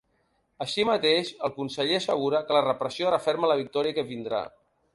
Així mateix, el conseller assegura que ‘la repressió referma la victòria que vindrà’.